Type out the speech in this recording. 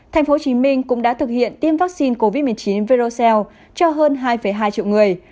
tp hcm cũng đã thực hiện tiêm vaccine covid một mươi chín virocell cho hơn hai hai triệu người